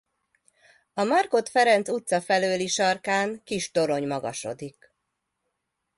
A Markhot Ferenc utca felőli sarkán kis torony magasodik.